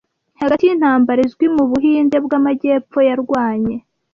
Hagati yintambara izwi mu Buhinde bwamajyepfo yarwanye